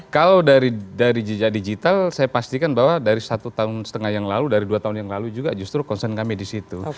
kalau dari jejak digital saya pastikan bahwa dari satu tahun setengah yang lalu dari dua tahun yang lalu juga justru concern kami di situ